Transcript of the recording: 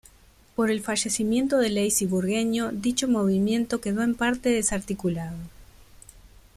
Por el fallecimiento de Leis y Burgueño dicho movimiento quedó en parte desarticulado.